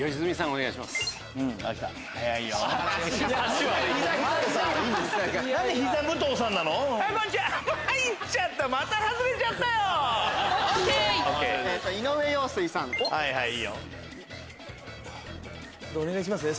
お願いしますね